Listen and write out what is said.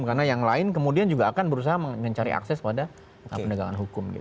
karena yang lain kemudian juga akan berusaha mencari akses pada penegakan hukum